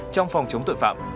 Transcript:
trong phòng chống tội phạm